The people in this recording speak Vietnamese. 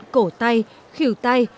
cổ tay khỉu tay